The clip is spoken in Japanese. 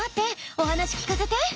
お話聞かせて。